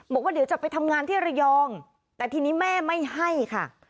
บอกว่าเดี๋ยวจะไปทำงานที่ระยองแต่ทีนี้แม่ไม่ให้ค่ะ